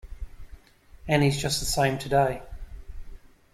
And he's just the same today.